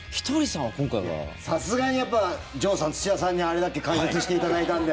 さすがに、やっぱ城さん、土田さんにあれだけ解説していただいたんで。